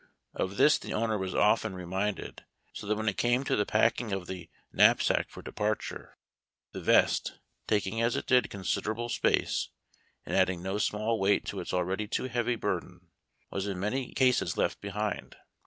Of this the owner was often re minded ; so that when it came to the packing of the knap sack for departure, the vest, taking as it did considerable space, and adding no small weight to his already too heavy burden, was in many cases left behind.